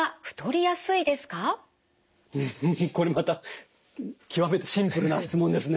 これまた極めてシンプルな質問ですね。